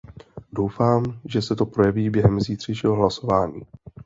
Doufám, že se to projeví během zítřejšího hlasování.